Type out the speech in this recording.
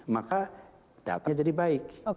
maka datanya jadi baik